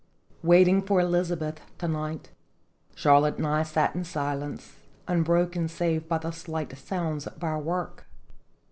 Waiting for Elizabeth to night, Charlotte and I sat in silence, unbroken save by the slight sounds of our work.